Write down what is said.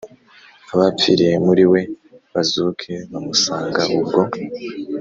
abapfiriye muri we, bazuke, bamusanga ubwo !